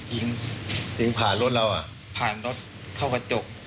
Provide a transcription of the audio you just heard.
ยิงยิงผ่านรถเราผ่านรถเข้ากระจก